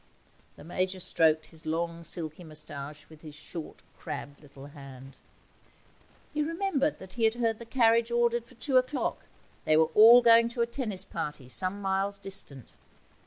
The Major stroked his long, silky moustache with his short, crabbed little hand. He remembered that he had heard the carriage ordered for two o'clock they were all going to a tennis party some miles distant.